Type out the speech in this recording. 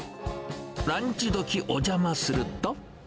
ランチどき、お邪魔すると。